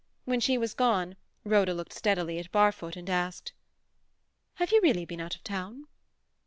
When she was gone, Rhoda looked steadily at Barfoot, and asked— "Have you really been out of town?"